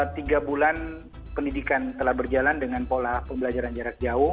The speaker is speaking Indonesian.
tiga bulan pendidikan telah berjalan dengan pola pembelajaran jarak jauh